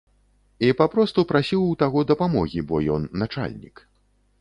І папросту прасіў у таго дапамогі, бо ён начальнік.